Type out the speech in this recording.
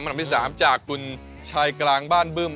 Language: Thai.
อันดับที่๓จากคุณชายกลางบ้านบึ้ม